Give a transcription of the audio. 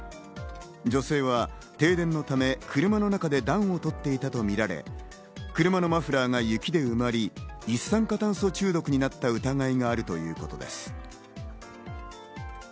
女性は停電のため車の中で暖をとっていたとみられ、車のマフラーが雪で埋まり、一酸化炭素中毒になった疑いがあるということです。